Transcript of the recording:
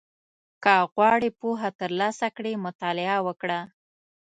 • که غواړې پوهه ترلاسه کړې، مطالعه وکړه.